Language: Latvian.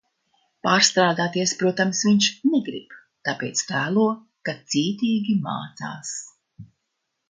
Pārstrādāties, protams, viņš negrib, tāpēc tēlo, ka cītīgi mācās.